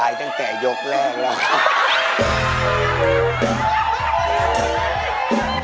เป็นเรื่องราวของแม่นาคกับพี่ม่าครับ